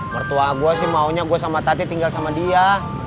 mertua gue sih maunya gue sama tati tinggal sama dia